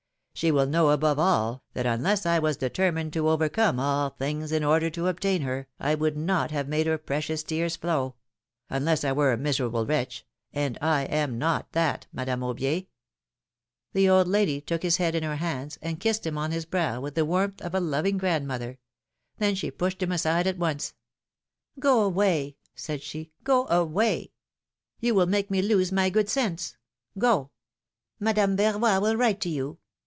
She will know, above all, that unless I was determined to overcome all things in order to obtain her, I would not have made her precious tears flow — unless I were a miserable wretch, and I am not that, Madame Aubier !" The old lady took his head in her hands, and kissed him on his brow with the warmth of a loving grand mother; then she pushed him aside at once. Go away ! said she, go away ! You will make me lose my good sense — go! Madame Verroy will write to you.